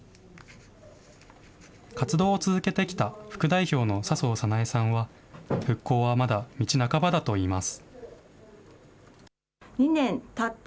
活動を続けてきた副代表の笹生さなえさんは、復興はまだ道半ばだといいます。